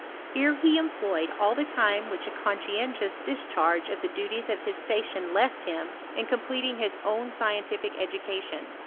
Here he employed all the time which a conscientious discharge of the duties of his station left him, in completing his own scientific education.